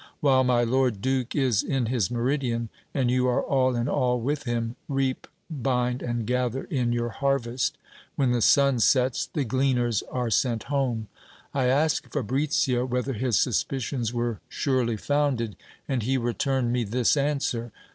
While my lord duke is in his meridian, and you are all in all with him, reap, bind, and gather in your harvest : when the sun sets, the gleaners are sent home. I asked Fabricio whether his suspicions were surely founded ; and he returned me this answer.